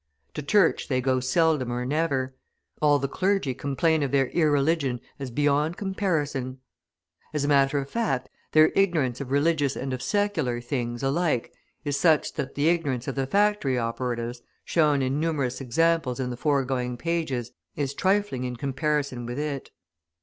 To church they go seldom or never; all the clergy complain of their irreligion as beyond comparison. As a matter of fact, their ignorance of religious and of secular things, alike, is such that the ignorance of the factory operatives, shown in numerous examples in the foregoing pages, is trifling in comparison with it.